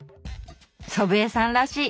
祖父江さんらしい！